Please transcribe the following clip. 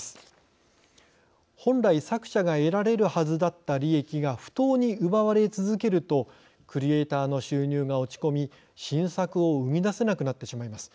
本来作者が得られるはずだった利益が不当に奪われ続けるとクリエイターの収入が落ち込み新作を生み出せなくなってしまいます。